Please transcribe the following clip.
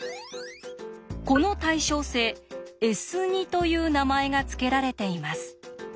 この対称性「Ｓ」という名前が付けられています。